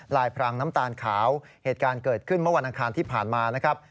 พรางน้ำตาลขาวเหตุการณ์เกิดขึ้นเมื่อวันอังคารที่ผ่านมานะครับ